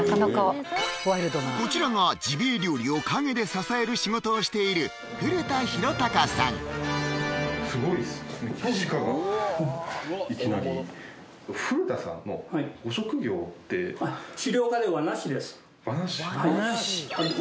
こちらがジビエ料理を陰で支える仕事をしているすごいですね